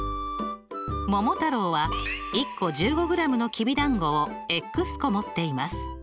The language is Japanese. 桃太郎は１個１５ｇのきびだんごを個持っています。